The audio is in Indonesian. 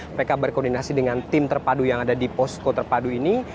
mereka berkoordinasi dengan tim terpadu yang ada di posko terpadu ini